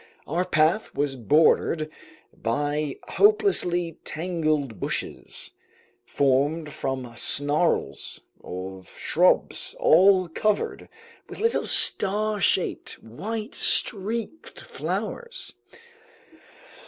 Our path was bordered by hopelessly tangled bushes, formed from snarls of shrubs all covered with little star shaped, white streaked flowers.